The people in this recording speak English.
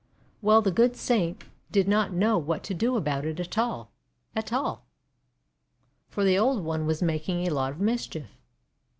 Well, the good Saint did not know what to do about it at all, at all, for the old one was making a lot of mischief.